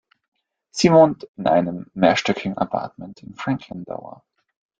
Sie wohnt in einem mehrstöckigen Appartement im Franklin Tower.